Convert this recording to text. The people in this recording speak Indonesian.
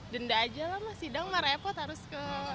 benda aja lah sidang mah repot harus ke sana